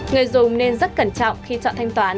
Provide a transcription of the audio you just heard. người dùng nên rất cẩn trọng khi chọn thanh toán